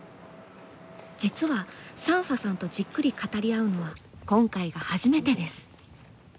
実はサンファさんとじっくり語り合うのは今回が初めてです。